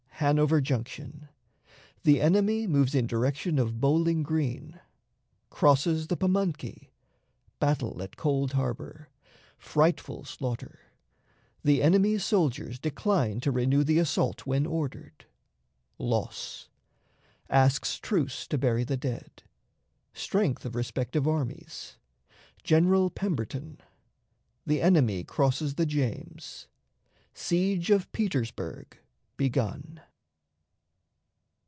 Hanover Junction. The Enemy moves in Direction of Bowling Green. Crosses the Pamunkey. Battle at Cold Harbor. Frightful Slaughter. The Enemy's Soldiers decline to renew the Assault when ordered. Loss. Asks Truce to bury the Dead. Strength of Respective Armies. General Pemberton. The Enemy crosses the James. Siege of Petersburg begun.